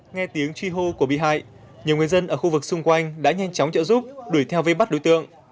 nghe tiếng truy hô của bị hại nhiều người dân ở khu vực xung quanh đã nhanh chóng trợ giúp đuổi theo vây bắt đối tượng